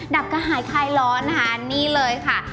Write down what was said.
ับกระหายคลายร้อนนะคะนี่เลยค่ะ